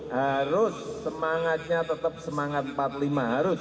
harus semangatnya tetap semangat empat puluh lima harus